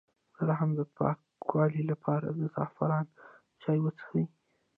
د رحم د پاکوالي لپاره د زعفران چای وڅښئ